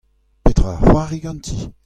Petra a c'hoari ganti ?